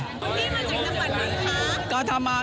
คุณคุณมาจากนักฝันมั้ยคะ